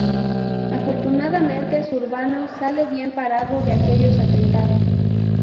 Afortunadamente Zurbano, sale bien parado de aquellos atentados.